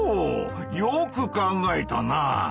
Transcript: よく考えたな。